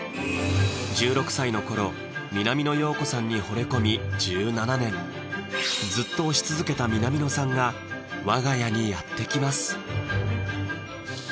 １６歳の頃南野陽子さんに惚れ込み１７年ずっと推し続けた南野さんが我が家にやって来ます